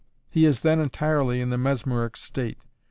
He is then entirely in the mesmeric state.